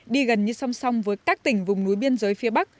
đi gần như song song với các tỉnh vùng núi biên giới phía bắc